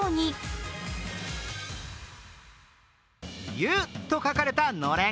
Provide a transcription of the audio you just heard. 「ゆ」と書かれたのれん。